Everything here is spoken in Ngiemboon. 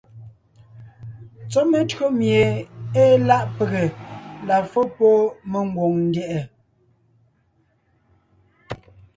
Tsɔ́ metÿǒ mie ée láʼ pege la fó pɔ́ mengwòŋ ndyɛ̀ʼɛ.